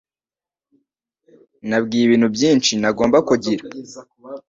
Nabwiye ibintu byinshi ntagomba kugira.